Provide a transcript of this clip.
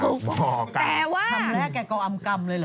คำแรกกราบอำกรรมเลยหรือ